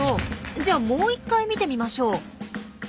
じゃあもう一回見てみましょう。